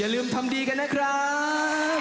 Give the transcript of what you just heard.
ลืมทำดีกันนะครับ